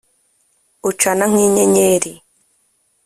ucana nk'inyenyeri